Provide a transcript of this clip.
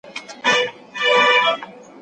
قرآني قصې د استفادې لپاره خورا ښې منابع دي.